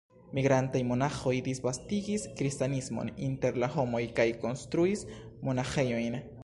Migrantaj monaĥoj disvastigis kristanismon inter la homoj kaj konstruis monaĥejojn.